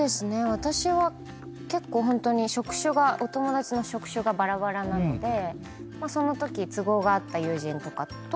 私は結構お友達の職種がばらばらなのでそのとき都合が合った友人とかと。